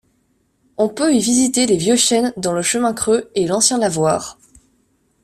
On peut y visiter les vieux chênes dans le chemin creux et l'ancien lavoir.